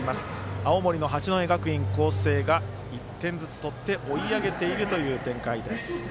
青森の八戸学院光星が１点ずつ取って追い上げているという展開です。